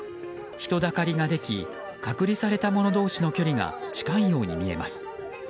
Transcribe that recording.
人だかりができ隔離された者同士の距離が近いように見えます。